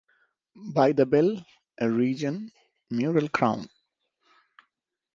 By the bell, a region mural crown.